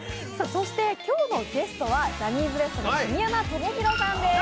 そして今日のゲストはジャニーズＷＥＳＴの神山智洋さんです。